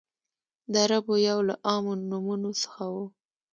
د عربو یو له عامو نومونو څخه و.